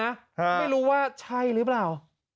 ไม่รู้ว่าใช่หรือเปล่า